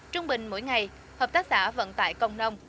trung bình mỗi ngày hợp tác xã vận tải công nông